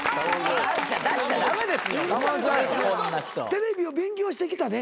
テレビを勉強してきたね？